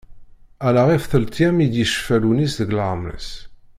Ala ɣef telt-yyam i yecfa Lewnis deg leɛmer-is.